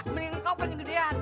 mendingan koper yang gedean